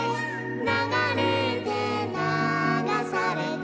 「ながれてながされて」